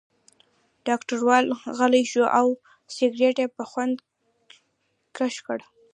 ډګروال غلی شو او سګرټ یې په خوند کش کړ